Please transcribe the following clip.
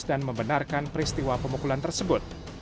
dan membenarkan peristiwa pemukulan tersebut